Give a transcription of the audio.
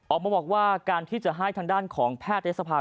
ออกมาบอกว่าการที่จะให้ทางด้านของแพทยศภา